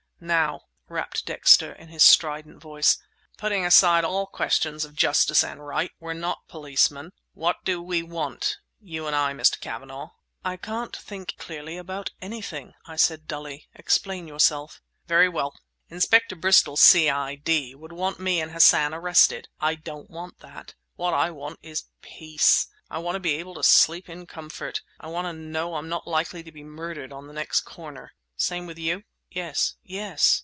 "Now," rapped Dexter, in his strident voice, "putting aside all questions of justice and right (we're not policemen), what do we want—you and I, Mr. Cavanagh?" "I can't think clearly about anything," I said dully. "Explain yourself." "Very well. Inspector Bristol, C.I.D., would want me and Hassan arrested. I don't want that! What I want is peace; I want to be able to sleep in comfort; I want to know I'm not likely to be murdered on the next corner! Same with you?" "Yes—yes."